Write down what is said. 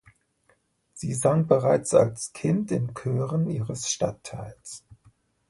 Sie sang bereits als Kind in Chören ihres Stadtteils.